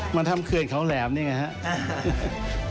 มาทำเขื่อนเขาแหลมนี่ไงครับ